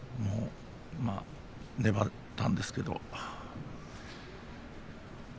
粘ったんですけど。